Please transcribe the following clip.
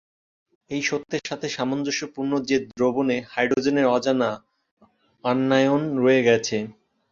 এই সত্যের সাথে সামঞ্জস্যপূর্ণ যে দ্রবণে হাইড্রোজেনের অজানা অ্যানায়ন রয়ে গেছে।